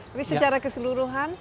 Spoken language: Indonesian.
tapi secara keseluruhan